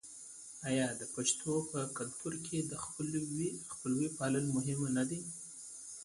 آیا د پښتنو په کلتور کې د خپلوۍ پالل مهم نه دي؟